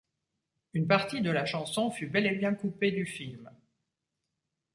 Une partie de la chanson fut bel et bien coupée du film.